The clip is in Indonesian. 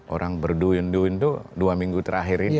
orang berdoing doing itu dua minggu terakhir ini